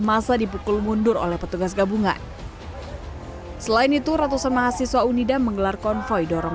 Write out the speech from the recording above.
masa dipukul mundur oleh petugas gabungan selain itu ratusan mahasiswa unida menggelar konvoy dorong